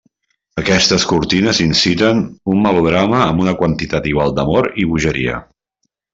Aquestes cortines inciten un melodrama amb una quantitat igual d'amor i bogeria.